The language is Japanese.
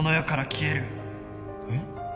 えっ？